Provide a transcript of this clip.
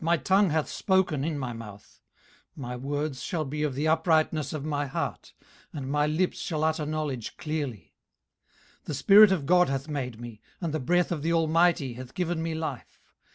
18:033:003 My words shall be of the uprightness of my heart: and my lips shall utter knowledge clearly. 18:033:004 The spirit of God hath made me, and the breath of the Almighty hath given me life.